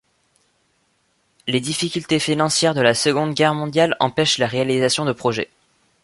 Les difficultés financières de la Seconde Guerre Mondiale empêchent la réalisation de projet.